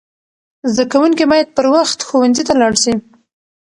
زده کوونکي باید پر وخت ښوونځي ته لاړ سي.